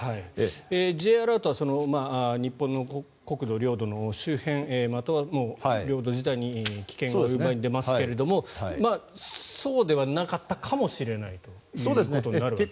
Ｊアラートは日本の国土、領土の周辺または領土自体に危険が及ぶ場合に出ますがそうではなかったかもしれないということになるわけですね。